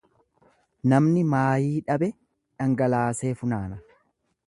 Namni maayii dhabe dhangalaasee funaana.